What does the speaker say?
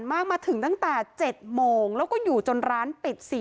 พ่อแม่มาเห็นสภาพศพของลูกร้องไห้กันครับขาดใจ